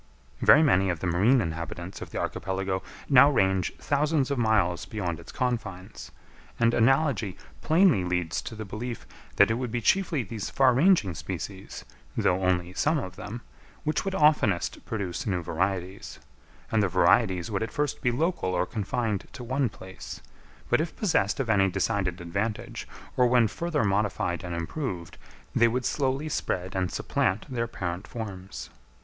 Very many of the marine inhabitants of the archipelago now range thousands of miles beyond its confines; and analogy plainly leads to the belief that it would be chiefly these far ranging species, though only some of them, which would oftenest produce new varieties; and the varieties would at first be local or confined to one place, but if possessed of any decided advantage, or when further modified and improved, they would slowly spread and supplant their parent forms.